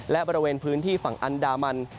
และบริเวณพื้นที่ฝั่งอันดามัน